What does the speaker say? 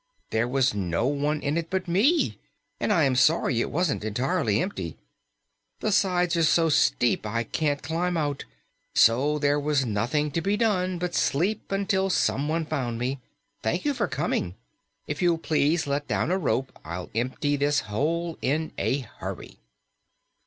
"There was no one in it but me, and I was sorry it wasn't entirely empty. The sides are so steep I can't climb out, so there was nothing to be done but sleep until someone found me. Thank you for coming. If you'll please let down a rope, I'll empty this hole in a hurry."